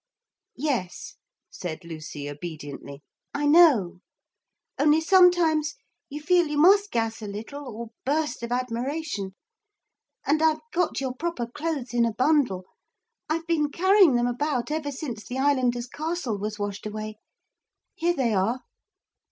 'Yes,' said Lucy obediently, 'I know. Only sometimes you feel you must gas a little or burst of admiration. And I've got your proper clothes in a bundle. I've been carrying them about ever since the islanders' castle was washed away. Here they are.'